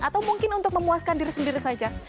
atau mungkin untuk memuaskan diri sendiri saja